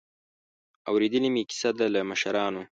اورېدلې مې کیسه ده له مشرانو.